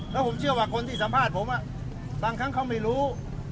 แล้วผมเชื่อว่าคนที่สัมภาษณ์ผมบางครั้งเขาไม่รู้